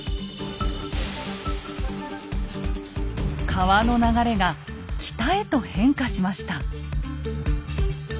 川の流れが北へと変化しました。